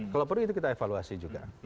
kalau perlu itu kita evaluasi juga